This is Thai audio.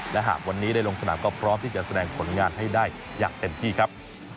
และหากวันนี้ได้ลงสนามก็พร้อมที่จะแสดงผลงานให้ได้อย่างเต็มที่ครับ